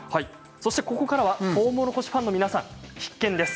そして、ここからはとうもろこしファンの皆さん必見です。